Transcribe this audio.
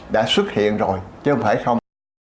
đã xuất hiện rồi chứ không phải không